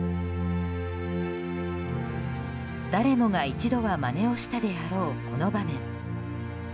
誰もが一度はまねをしたであろう、この場面。